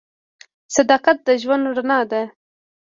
• صداقت د ژوند رڼا ده.